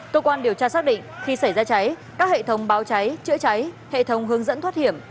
cơ quan điều tra xác định khi xảy ra cháy các hệ thống báo cháy chữa cháy hệ thống hướng dẫn thoát hiểm